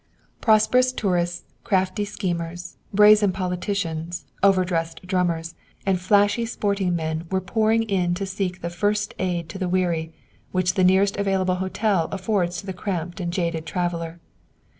Prosperous tourists, crafty schemers, brazen politicians, overdressed drummers, and flashy sporting men were pouring in to seek the "first aid to the weary," which the nearest available hotel affords to the cramped and jaded traveler.